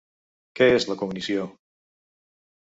Què és la cognició?